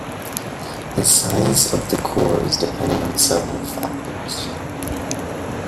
The size of the core is dependent on several factors.